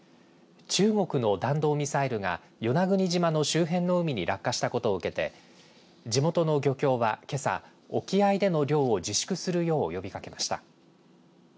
中国の弾道ミサイルが与那国島の周辺の海に落下したことを受けて地元の漁協は、けさ沖合での漁を自粛するよう呼びかけました。